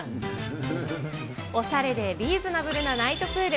おしゃれでリーズナブルなナイトプール。